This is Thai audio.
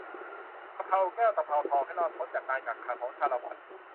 ตะเภาแก้ว ตะเภาทอง ให้รอดพ้นจากการกักขังของ ชาละวัน